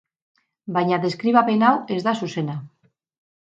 Baina deskribapen hau ez da zuzena.